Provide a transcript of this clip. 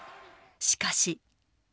しかし。